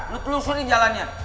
lo lusuri jalannya